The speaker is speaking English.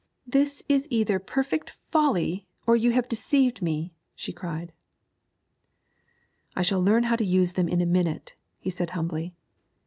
'This is either perfect folly or you have deceived me,' she cried. 'I shall learn how to use them in a minute,' he said humbly.